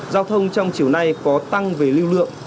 giao thông trong chiều nay có tăng về lưu lượng